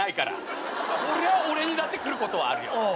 そりゃ俺にだって来ることはあるよ。